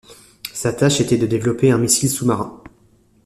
Sa tâche était de développer un missile sous-marin.